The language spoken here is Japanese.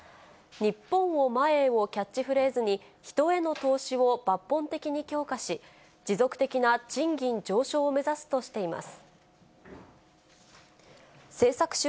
日本を、前へ。をキャッチフレーズに、人への投資を抜本的に強化し、持続的な賃金上昇を目指すとしています。